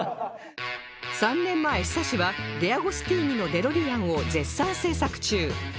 ３年前 ＨＩＳＡＳＨＩ はデアゴスティーニのデロリアンを絶賛制作中